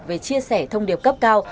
về chia sẻ thông điệp cấp cao